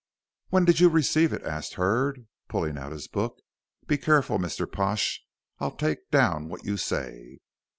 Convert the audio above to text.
"When did you receive it?" asked Hurd, pulling out his book. "Be careful, Mr. Pash, I'll take down what you say."